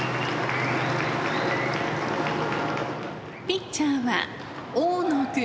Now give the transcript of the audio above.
「ピッチャーは大野君」。